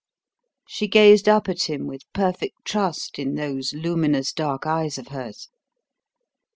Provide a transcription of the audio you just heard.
She gazed up at him with perfect trust in those luminous dark eyes of hers.